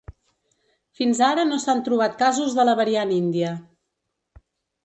Fins ara no s’han trobat casos de la variant índia.